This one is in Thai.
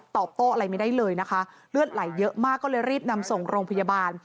ตอบโต้อะไรไม่ได้เลยนะคะเลือดไหลเยอะมากก็เลยรีบนำส่งโรงพยาบาล